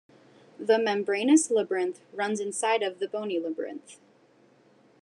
The membranous labyrinth runs inside of the bony labyrinth.